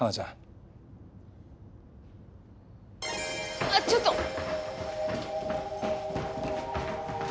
あっちょっと。